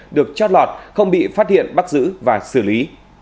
được trót lọt không bị phát hiện bắt giữ và xử lý